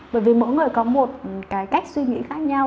bởi vì mỗi người có một cái cách suy nghĩ khác nhau